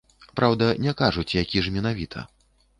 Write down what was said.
Праўда, не кажуць, які ж менавіта.